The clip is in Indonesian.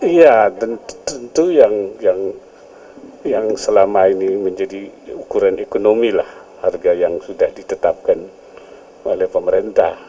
iya tentu yang selama ini menjadi ukuran ekonomi lah harga yang sudah ditetapkan oleh pemerintah